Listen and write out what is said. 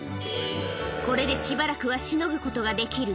これでしばらくはしのぐことができる。